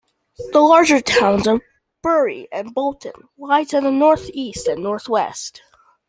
The larger towns of Bury and Bolton lie to the northeast and northwest.